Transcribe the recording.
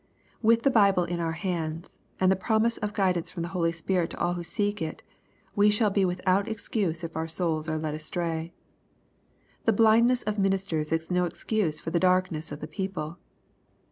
With the Bible in our hands, and the promise of guidance from the Holy Ghost to aU who seek it, wo shall be without excuse if our souls are led astray. The blindness of ministers is no excuse for the darkness of the people.